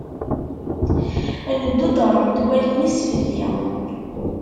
Ndudrent wallen-is fell-i.